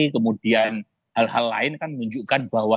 kemudian hal hal lain kan menunjukkan bahwa